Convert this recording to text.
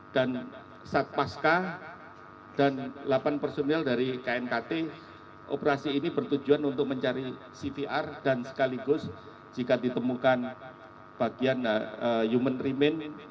dan satpasca dan delapan personil dari knkt operasi ini bertujuan untuk mencari cvr dan sekaligus jika ditemukan bagian human remain